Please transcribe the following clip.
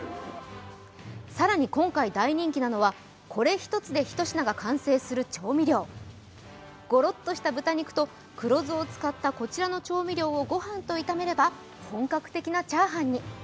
更に今回大人気なのはこれ１つで一品で完成する調味料ごろっとした豚肉と黒酢を使った調味料をご飯と炒めれば、本格的なチャーハンに。